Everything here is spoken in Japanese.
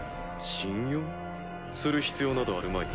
する必要などあるまい。